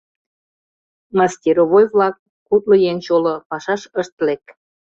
Мастеровой-влак, кудло еҥ чоло, пашаш ышт лек.